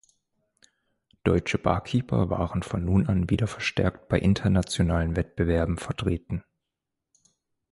Deutsche Barkeeper waren von nun an wieder verstärkt bei internationalen Wettbewerben vertreten.